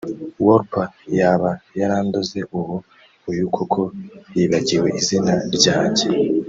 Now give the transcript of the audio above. Wolper yaba yarandoze; ubu uyu koko yibagiwe izina rya njye